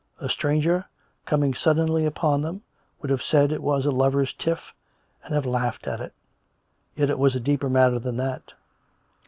A stranger, coming suddenly upon them, would have said it was a lovers' tiff, and have laughed at it. Yet it was a deeper matter than that.